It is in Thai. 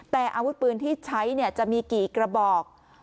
แต่อาวุธปืนที่ใช้จะมีกี่กระบอก